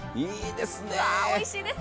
おいしいですよ。